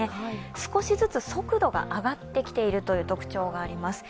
少しずつ速度が上がってきているという特徴があります。